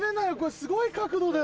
すごい角度だよ